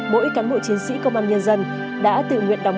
mỗi cán bộ chiến sĩ công an nhân dân đã tự nguyện đóng